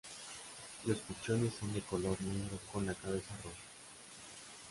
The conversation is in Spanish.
Los pichones son de color negro con la cabeza roja.